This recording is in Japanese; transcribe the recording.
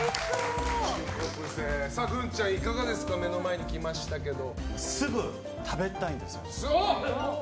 グンちゃん、いかがですか目の前に来ましたけど。